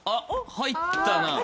入ったな。